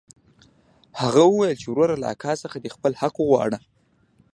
هغه وويل چې وروره له اکا څخه دې خپل حق وغواړه.